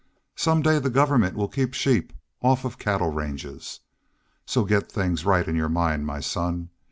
Some day the government will keep sheep off of cattle ranges.... So get things right in your mind, my son.